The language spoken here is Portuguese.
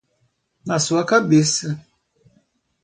Na sua cabeça!